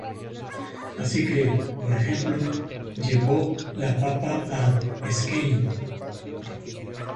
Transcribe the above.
Así que, por ejemplo, llevó la papa a Skåne.